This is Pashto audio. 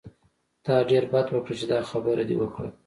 تا ډېر بد وکړل چې دا خبره دې وکړه.